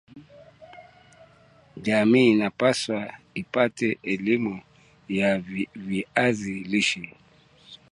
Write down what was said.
Jamii inapaswa ipate elimu ya viazi lishe